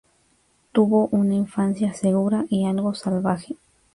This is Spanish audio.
Tuvo una infancia segura y algo salvaje.